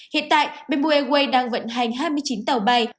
hiện tại bmw đang vận hành hai mươi chín tàu bay